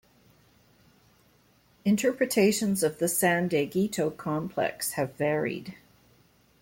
Interpretations of the San Dieguito Complex have varied.